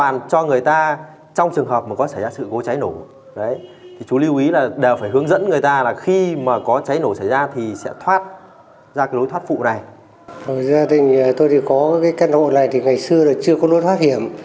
rồi gia đình tôi thì có cái căn hộ này thì ngày xưa là chưa có lối thoát hiểm